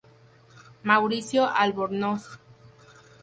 Mauricio Albornoz